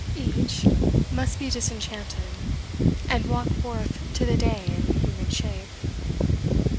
Each must be disenchanted, and walk forth to the day in human shape.